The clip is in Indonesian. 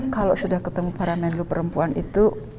kalau sudah ketemu para menlu perempuan itu